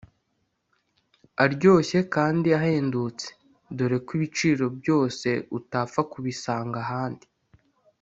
aryoshye kandi ahendutse dore ko ibiciro byose utapfa kubisanga ahandi